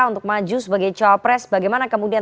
untuk maju sebagai co pres bagaimana kemudian